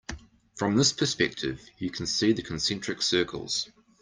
From this perspective you can see the concentric circles.